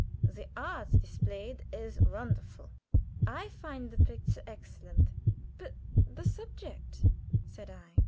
The art displayed is wonderful. I find the picture excellent." "But the subject?" said I.